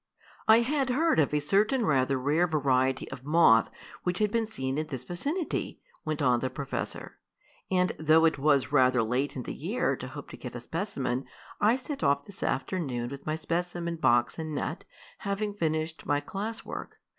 "I had heard of a certain rather rare variety of moth which had been seen in this vicinity," went on the professor, "and though it was rather late in the year to hope to get a specimen, I set off this afternoon with my specimen box and net, having finished my class work.